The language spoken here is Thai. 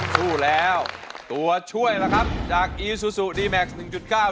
สู้แล้วตัวช่วยล่ะครับจากอีซูซูดีแม็กซ์หนึ่งจุดเก้า